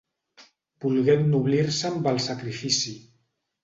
Volgué ennoblir-se amb el sacrifici.